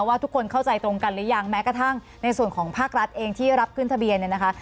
ว่าทุกคนเข้าใจตรงกันหรือยังแม้กระทั่งในส่วนของภาครัฐเองที่รับขึ้นทะเบียนเนี่ยนะคะ